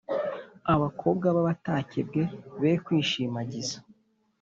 Abakobwa b’abatakebwe be kwishimagiza